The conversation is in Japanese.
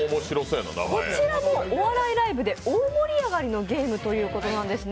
こちらもお笑いライブで大盛り上がりのゲームということなんです。